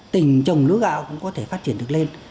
tình trồng lúa gạo cũng có thể phát triển được lên